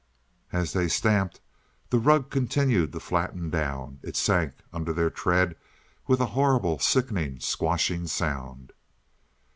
As they stamped, the rug continued to flatten down; it sank under their tread with a horrible, sickening, squashing sound.